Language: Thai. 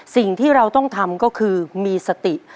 สิ่งที่เราต้องทำก็คือมีสติ